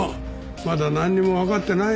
まだなんにもわかってないんだから。